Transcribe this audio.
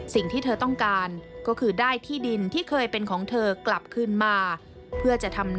สิ่งที่เธอต้องการก็คือ